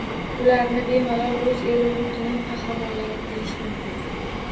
Ularni bemalol o’z elu yurtining qahramonlari deyish mumkin.